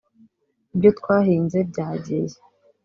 ibyo twahinze byagiye